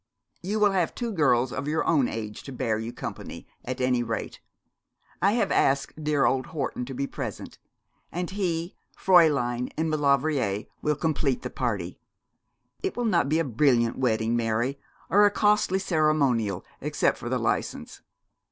'You will have two girls of your own age to bear you company, at any rate. I have asked dear old Horton to be present; and he, Fräulein, and Maulevrier will complete the party. It will not be a brilliant wedding, Mary, or a costly ceremonial, except for the licence.'